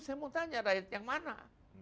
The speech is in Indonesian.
saya mau tanya rakyat yang mana